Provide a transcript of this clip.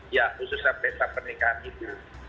ya khususnya pesta pernikahan itu